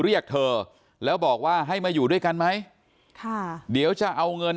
เรียกเธอแล้วบอกว่าให้มาอยู่ด้วยกันไหมค่ะเดี๋ยวจะเอาเงิน